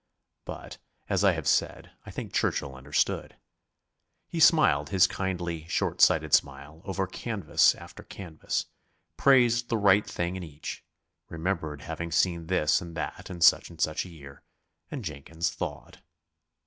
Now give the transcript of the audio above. But, as I have said, I think Churchill understood. He smiled his kindly, short sighted smile over canvas after canvas, praised the right thing in each, remembered having seen this and that in such and such a year, and Jenkins thawed.